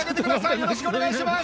よろしくお願いします。